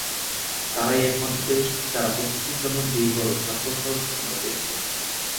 তারাই একমাত্র দেশ, যারা প্রস্তুতির জন্য দীর্ঘ সাত বছর সময় পেয়েছে।